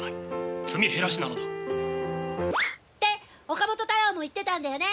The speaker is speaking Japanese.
岡本太郎も言ってたんだよね！